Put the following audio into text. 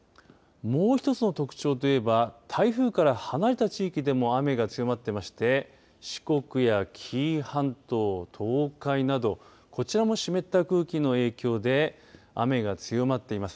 もう一つの特徴といえば台風から離れた地域でも雨が強まっていまして四国や紀伊半島、東海などこちらも湿った空気の影響で雨が強まっています。